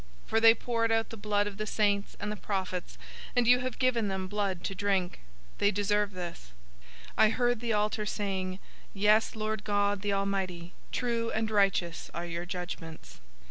016:006 For they poured out the blood of the saints and the prophets, and you have given them blood to drink. They deserve this." 016:007 I heard the altar saying, "Yes, Lord God, the Almighty, true and righteous are your judgments."